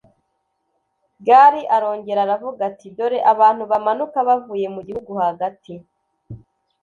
Gali arongera aravuga ati Dore abantu bamanuka bavuye mu gihugu hagati